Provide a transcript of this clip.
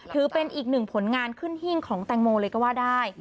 ถือเป็นอีกหนึ่งผลงานขึ้นหิ้งของแตงโมเลยก็ว่าได้